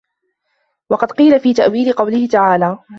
وَقَدْ قِيلَ فِي تَأْوِيلِ قَوْله تَعَالَى